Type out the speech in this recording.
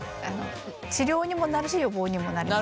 治療にもなるし予防にもなります。